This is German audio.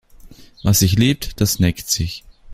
Was sich liebt, das neckt sich.